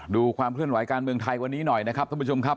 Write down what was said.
ดูความขึ้นหลายการเมืองไทยวันนี้หน่อยนะครับคุณผู้ชมครับ